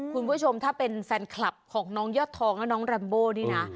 คุณผู้ชมถ้าเป็นแฟนคลับของน้องยอดทองและน้องแรมโบนี่นะ